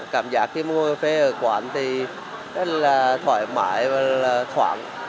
cảm giác khi mua cà phê ở quán thì rất là thoải mái và thoảng